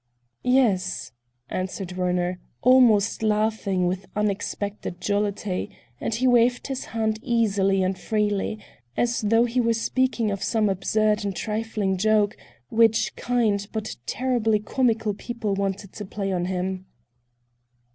"Yes," answered Werner, almost laughing with unexpected jollity, and he waved his hand easily and freely, as though he were speaking of some absurd and trifling joke which kind but terribly comical people wanted to play on him.